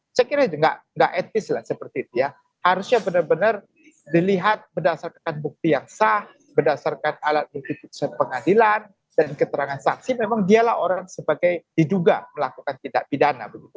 saya kira tidak etis lah seperti itu ya harusnya benar benar dilihat berdasarkan bukti yang sah berdasarkan alat bukti putusan pengadilan dan keterangan saksi memang dialah orang sebagai diduga melakukan tindak pidana begitu